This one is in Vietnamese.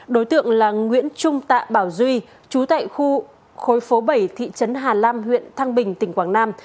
đối tượng là nguyễn trung tạ bảo duy chú tại khu khối phố bảy thị trấn hà lam huyện thăng bình tỉnh quảng nam